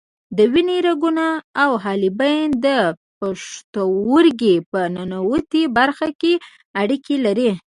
د وینې رګونه او حالبین د پښتورګي په ننوتي برخه کې اړیکې لري.